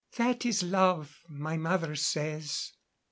"That is love, my mother says.